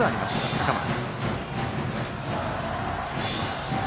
高松。